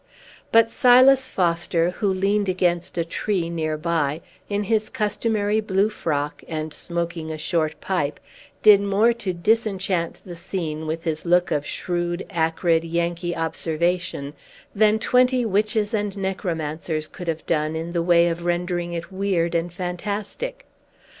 But Silas Foster, who leaned against a tree near by, in his customary blue frock and smoking a short pipe, did more to disenchant the scene, with his look of shrewd, acrid, Yankee observation, than twenty witches and necromancers could have done in the way of rendering it weird and fantastic.